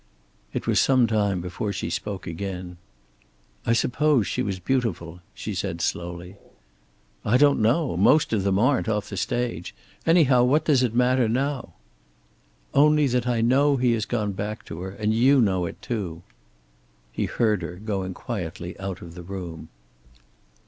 It was some time before she spoke again. "I suppose she was beautiful," she said slowly. "I don't know. Most of them aren't, off the stage. Anyhow, what does it matter now?" "Only that I know he has gone back to her. And you know it too." He heard her going quietly out of the room.